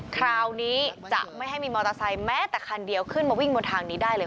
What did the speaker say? คราวนี้จะไม่ให้มีมอเตอร์ไซค์แม้แต่คันเดียวขึ้นมาวิ่งบนทางนี้ได้เลย